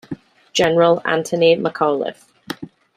General Anthony McAuliffe.